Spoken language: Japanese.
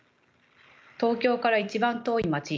「東京から一番遠いまち」。